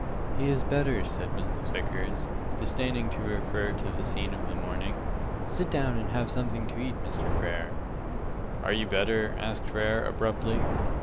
"He is better," said Mrs. Vickers, disdaining to refer to the scene of the morning. "Sit down and have something to eat, Mr. Frere." "Are you better?" asked Frere, abruptly.